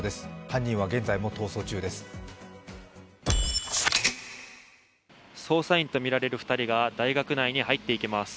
犯人は現在も逃走中です。